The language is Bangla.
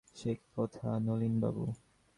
সে কি কথা নলিনবাবু!